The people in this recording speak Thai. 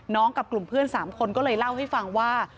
กับกลุ่มเพื่อน๓คนก็เลยเล่าให้ฟังว่า